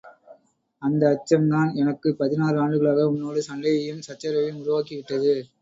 அந்த அச்சம் தான் எனக்குப் பதினாறு ஆண்டுகளாக உன்னோடு சண்டையையும், சச்சரவையும் உருவாக்கி விட்டது.